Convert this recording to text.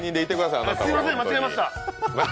すいません、間違えました。